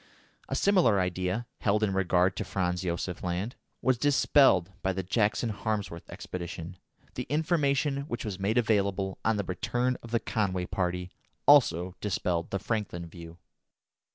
A similar idea, held in regard to Franz Josef Land, was dispelled by the Jackson Harmsworth expedition; the information which was made available on the return of the Conway party also dispelled the Franklin view.